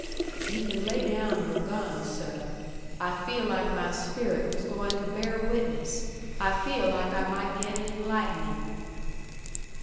"You can lay down your gun, seh. I feel like my spirit was going to bear witness. I feel like I might get an enlightening."